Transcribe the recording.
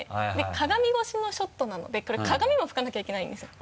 鏡越しのショットなのでこれ鏡もふかなきゃいけないんですよ。